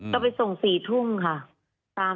ก็ไปส่ง๔ทุ่มค่ะ